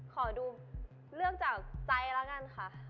ขอดูเลือกจากใจแล้วกันค่ะ